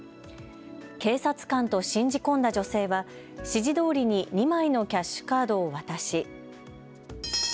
警察官と信じ込んだ女性は指示どおりに２枚のキャッシュカードを渡し。